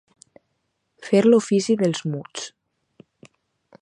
Fer l'ofici dels muts.